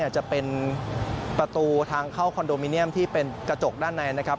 จะเป็นประตูทางเข้าคอนโดมิเนียมที่เป็นกระจกด้านในนะครับ